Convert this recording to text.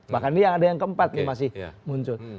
bahkan ini ada yang keempat yang masih muncul